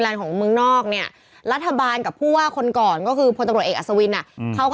ฝั่งเสนทั้งครู่ดูนะคะ